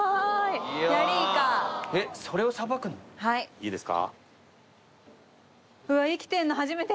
いいですか。